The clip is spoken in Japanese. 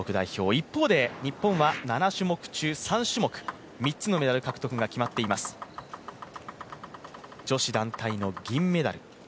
一方で日本は７種目中３種目で３つのメダル獲得が決まっています女子団体の銀メダル。